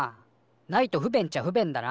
ないと不便っちゃ不便だな。